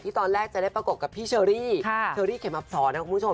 ตอนแรกจะได้ประกบกับพี่เชอรี่เชอรี่เข็มอับสอนนะคุณผู้ชม